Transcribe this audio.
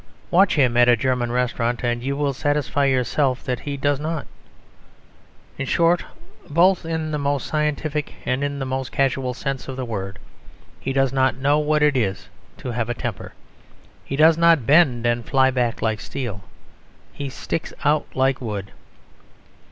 Watch him at a German restaurant, and you will satisfy yourself that he does not. In short, both in the most scientific and in the most casual sense of the word, he does not know what it is to have a temper. He does not bend and fly back like steel; he sticks out, like wood.